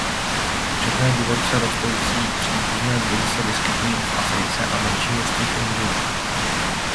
Četné divoce rostoucí příbuzné druhy se vyskytují v Africe a menší množství v Indii.